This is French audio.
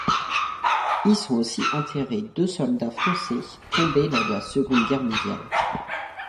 Y sont aussi enterrés deux soldats français tombés lors de la Seconde Guerre mondiale.